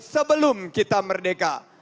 sebelum kita merdeka